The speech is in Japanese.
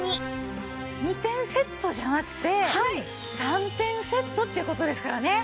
２点セットじゃなくて３点セットっていう事ですからね！